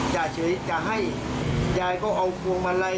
จ่าเฉยจะให้ยายก็เอาพวงมาลัย